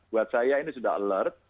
buat saya ini sudah alert